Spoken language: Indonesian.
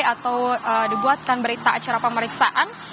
atau dibuatkan berita acara pemeriksaan